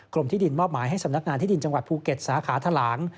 ที่ดินมอบหมายให้สำนักงานที่ดินจังหวัดภูเก็ตสาขาทะลาง